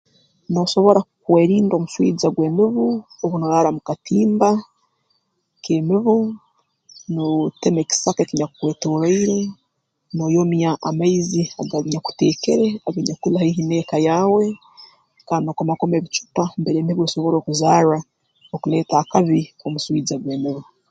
Noosobora kwerinda omuswija gw'emibu obu nooraara mu katimba k'emibu no otema ekisaka ekinyakukwetoroire nooyomya amaizi aganyakuteekeere aganyakuli haihi n'eka yaawe kandi nookomakoma ebicupa mbere emibu esobora okuzarra okuleeta akabi omuswija gw'emibu